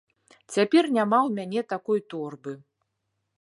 Цяпер няма ў мяне такой торбы.